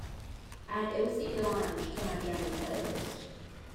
Add ilse delange to my journey playlist